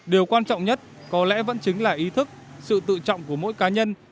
điều quan trọng nhất có lẽ vẫn chính là ý thức sự tự trọng của mỗi cá nhân